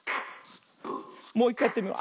もういっかいやってみよう。